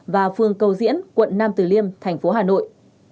và phường cầu diễn quận nam tử liêm thành phố hà nội